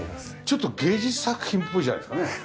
ちょっと芸術作品っぽいんじゃないですかね。